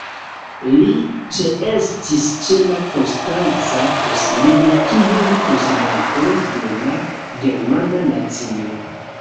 Li ĉeestis ĉe la Konstanca Koncilio kiel konsilanto de la "germana nacio".